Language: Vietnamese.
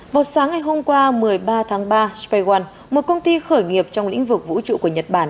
vào sáng ngày hôm qua một mươi ba tháng ba spareone một công ty khởi nghiệp trong lĩnh vực vũ trụ của nhật bản